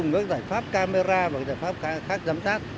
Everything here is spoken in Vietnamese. ngoài các giải pháp camera và giải pháp khác giám sát